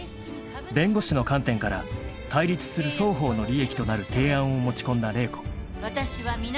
［弁護士の観点から対立する双方の利益となる提案を持ち込んだ麗子］